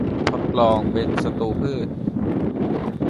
ทดลองเป็นศัตรูพืช